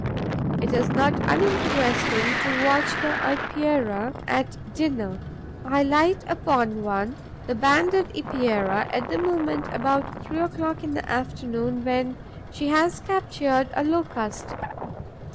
It is not uninteresting to watch the Epeira at dinner. I light upon one, the Banded Epeira, at the moment, about three o'clock in the afternoon, when she has captured a Locust.